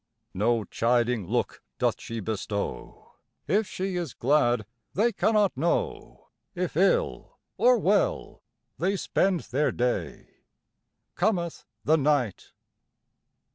No chiding look doth she bestow: If she is glad, they cannot know; If ill or well they spend their day, Cometh the night.